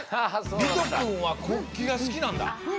りとくんは国旗が好きなんだ。